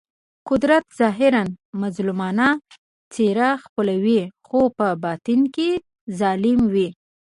قدرت ظاهراً مظلومانه څېره خپلوي خو په باطن کې ظالم وي.